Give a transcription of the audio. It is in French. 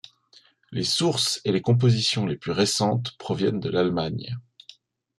Les sources et les compositions les plus récentes proviennent de l'Allemagne.